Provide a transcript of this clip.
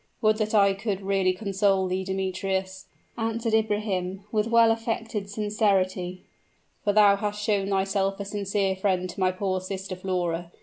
"Would that I could really console thee, Demetrius," answered Ibrahim, with well affected sincerity; "for thou hast shown thyself a sincere friend to my poor sister Flora.